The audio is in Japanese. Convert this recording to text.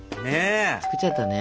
作っちゃったね。